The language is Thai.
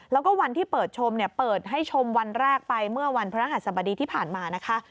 แล้วก็วันที่เปิดชมเนี่ยเปิดให้ชมวันแรกไปเมื่อวันพระรหัสบดีที่ผ่านมานะคะ